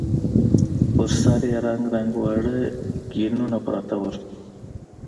پر سر يې رنګ رنګ واړه ګېنونه پراته وو.